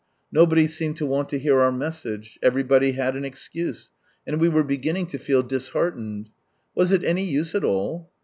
Nobody seemed to want to hear out message, everybody had an excuse, and we were beginning to feel disheartened. Was it any use at all